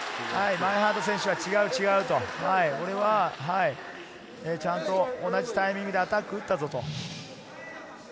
マインハート選手は違う違うと、ちゃんと同じタイミングでアタックを打ったぞと。